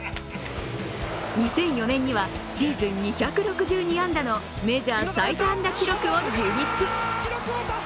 ２００４年にはシーズン２６２安打のメジャー最多安打記録を樹立。